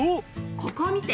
ここを見て！